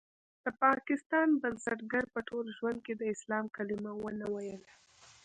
د پاکستان بنسټګر په ټول ژوند کې د اسلام کلمه ونه ويله.